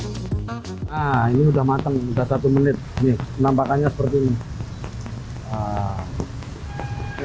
nah ini sudah matang nanti satu menit nampakannya seperti ini